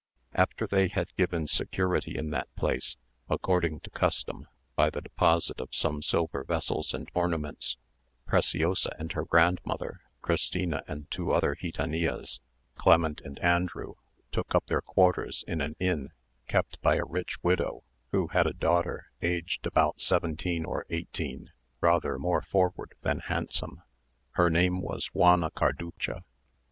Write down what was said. After they had given security in that place, according to custom, by the deposit of some silver vessels and ornaments, Preciosa and her grandmother, Christina and two other gitanillas, Clement, and Andrew, took up their quarters in an inn, kept by a rich widow, who had a daughter aged about seventeen or eighteen, rather more forward than handsome. Her name was Juana Carducha.